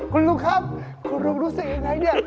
คุณลูกครับรู้สึกอย่างไรหรือไง